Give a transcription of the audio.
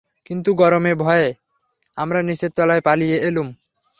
কিন্তু গরমের ভয়ে আমরা নীচের তলায় পালিয়ে এলুম।